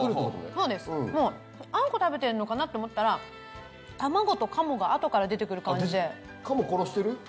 そうですもうあんこ食べてるのかなって思ったら卵と鴨があとから出てくる感じで鴨殺してる？